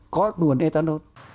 có nguồn ethanol